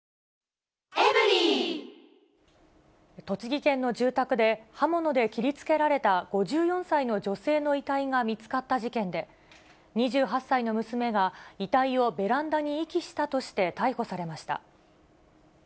栃木県の住宅で、刃物で切りつけられた５４歳の女性の遺体が見つかった事件で、２８歳の娘が、遺体をベランダに遺棄したとして逮捕されました。